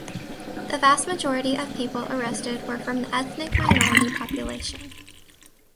The vast majority of people arrested were from the ethnic minority population.